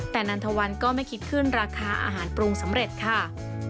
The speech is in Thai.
แต่นันทวันก็ไม่คิดขึ้นราคาอาหารปรุงสำเร็จค่ะ